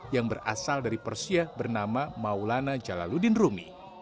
yang berasal dari persia bernama maulana jalaluddin rumi